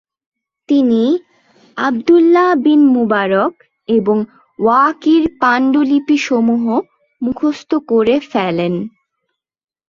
তিনি "আবদুল্লাহ বিন মুবারক" এবং "ওয়াকীর পান্ডুলিপিসমূহ" মুখস্থ করে ফেলেন।